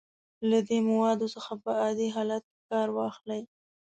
له دې موادو څخه په عادي حالت کې کار واخلئ.